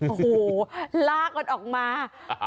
โอ้โหลากมันออกมา